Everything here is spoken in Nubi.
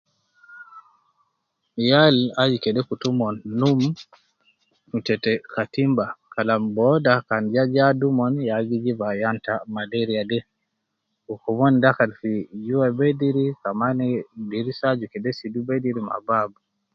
Yaal aju kede kutu omon num tete katimba kalam booda kan jaja adi omon ya gijib ayan te malaria de, wu koomon dakal fi juwa bedir, kamani dirisa aju kede sidu bediri ma baabu